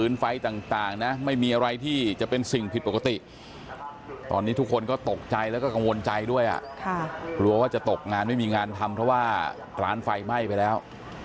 งานไม่มีงานทำเพราะว่าร้านไฟไหม้ไปแล้ว